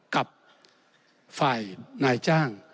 กับฝ่ายนายจ้าง